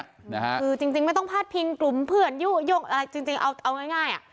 คือจริงไม่ต้องพาดพิงกลุ่มเพื่อนยุโย่งอะไรจริงจริงเอาง่ายอ่ะ